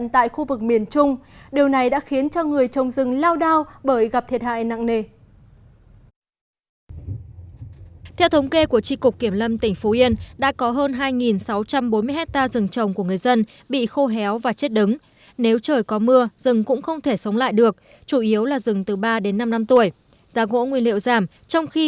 theo thống kê của tri cục kiểm lâm tỉnh phú yên đã có hơn hai sáu trăm bốn mươi hectare rừng trồng của người dân bị khô héo và chết đứng nếu trời có mưa rừng cũng không thể sống lại được chủ yếu là rừng từ ba đến năm năm tuổi